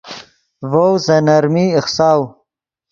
ڤؤ سے نرمی ایخساؤ